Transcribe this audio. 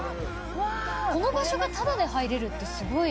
この場所がタダで入れるってすごい。